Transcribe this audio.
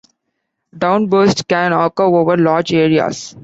Downbursts can occur over large areas.